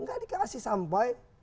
tidak dikasih sampai